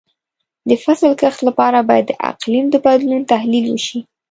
د فصل کښت لپاره باید د اقلیم د بدلون تحلیل وشي.